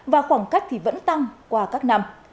và khoảng cách thì vẫn tăng qua các năm